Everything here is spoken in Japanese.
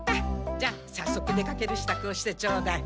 じゃあさっそく出かけるしたくをしてちょうだい。